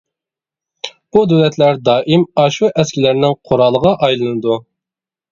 بۇ دۆتلەر دائىم ئاشۇ ئەسكىلەرنىڭ قورالىغا ئايلىنىدۇ.